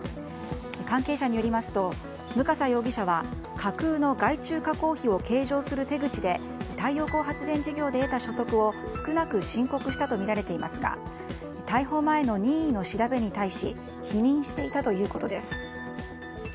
関係者によりますと武笠容疑者は架空の外注加工費を計上する手口で太陽光発電事業で得た所得を少なく申告したとみられていますが逮捕前の任意の調べに対し否認していたということです。